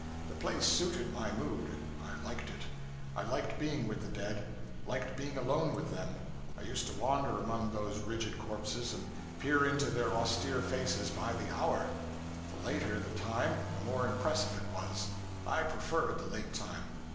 The place suited my mood. I liked it. I liked being with the dead liked being alone with them. I used to wander among those rigid corpses, and peer into their austere faces, by the hour. The later the time, the more impressive it was; I preferred the late time.